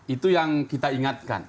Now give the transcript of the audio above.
itu yang kita ingatkan